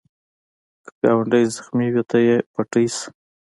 که ګاونډی زخمې وي، ته یې پټۍ شه